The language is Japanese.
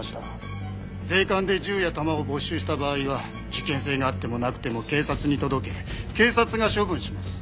税関で銃や弾を没収した場合は事件性があってもなくても警察に届け警察が処分します。